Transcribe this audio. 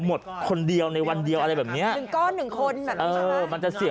หมดคนเดียวในวันเดียวอะไรแบบเนี้ยหนึ่งก้อนหนึ่งคนแบบเออมันจะเสีย